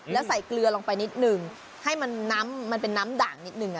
แล้วใส่เกลือลงไปนิดนึงให้มันน้ำมันเป็นน้ำด่างนิดนึง